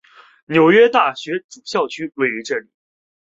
纽约大学主校区位于这里。